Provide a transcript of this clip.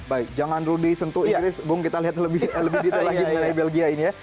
baik jangan lebih sentuh inggris kita lihat lebih detail lagi belgia ini ya